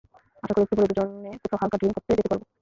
আশা করি একটু পরে দুজনে কোথাও হালকা ড্রিংক করতে যেতে পারব।